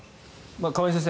亀井先生